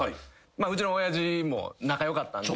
うちの親父も仲良かったんで。